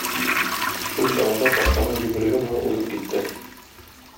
Шул чагында патшаның йөгереге моны узып китте.